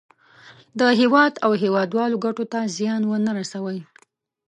د هېواد او هېوادوالو ګټو ته زیان ونه رسوي.